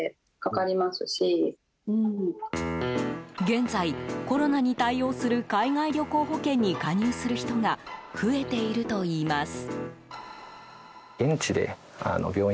現在、コロナに対応する海外旅行保険に加入する人が増えているといいます。